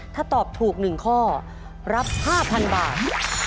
ถ้าตอบถูก๑ข้อรับ๕๐๐๐บาท